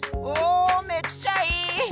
おめっちゃいい！